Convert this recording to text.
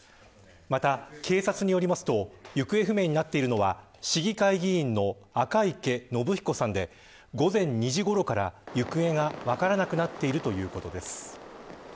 また、警察によりますと行方不明になっているのは市議会議員のアカイケノブヒコさんで午前２時ごろから行方が分からなくなっているということです。